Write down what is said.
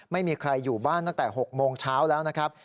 ไม่มีใครอยู่บ้านตั้งแต่๖โมงเช้าแล้วนะครับ